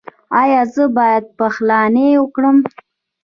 ایا زه باید پخلاینه وکړم؟